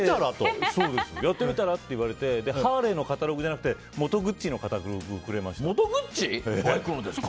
やってみたらって言われてハーレーのカタログじゃなくてモトグッジの方がバイクのですか？